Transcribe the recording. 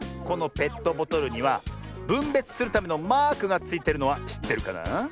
このペットボトルにはぶんべつするためのマークがついてるのはしってるかなあ？